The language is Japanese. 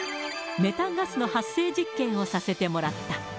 メタンガスの発生実験をさせてもらった。